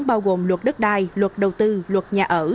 bao gồm luật đất đai luật đầu tư luật nhà ở